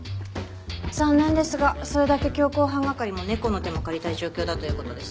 残念ですがそれだけ強行犯係も猫の手も借りたい状況だという事です。